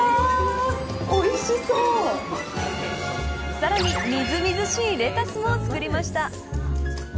さらにみずみずしいレタスも作りました。